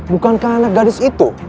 bukankah anak gadis itu